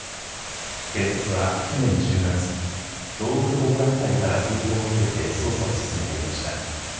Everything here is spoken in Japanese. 警察は去年１０月、動物保護団体から通報を受けて捜査を進めていました。